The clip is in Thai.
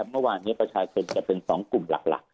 เมื่อวานนี้ประชาชนจะเป็น๒กลุ่มหลัก